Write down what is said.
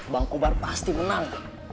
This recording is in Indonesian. bangkobar pasti menang